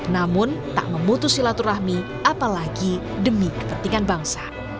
namun tak memutus silaturahmi apalagi demi kepentingan bangsa